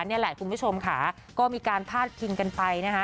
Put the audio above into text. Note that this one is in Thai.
นี่แหละคุณผู้ชมค่ะก็มีการพาดพิงกันไปนะคะ